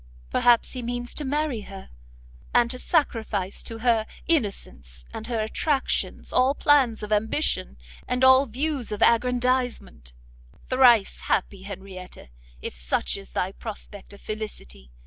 Perhaps he means to marry her, and to sacrifice to her innocence and her attractions all plans of ambition, and all views of aggrandizement; thrice happy Henrietta, if such is thy prospect of felicity!